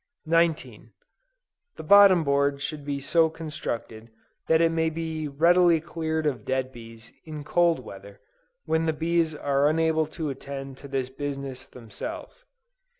19. The bottom board should be so constructed that it may be readily cleared of dead bees in cold weather, when the bees are unable to attend to this business themselves.